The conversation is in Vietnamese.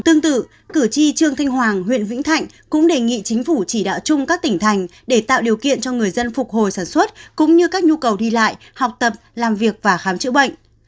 tương tự cử tri trương thanh hoàng huyện vĩnh thạnh cũng đề nghị chính phủ chỉ đạo chung các tỉnh thành để tạo điều kiện cho người dân phục hồi sản xuất cũng như các nhu cầu đi lại học tập làm việc và khám chữa bệnh